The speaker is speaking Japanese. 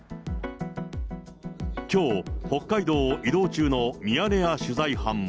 きょう、北海道を移動中のミヤネ屋取材班も。